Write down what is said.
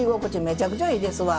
めちゃくちゃいいですわ。